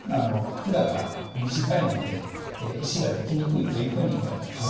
管が短いので石ができにくいというふうにいわれてます。